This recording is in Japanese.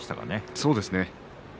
そうですね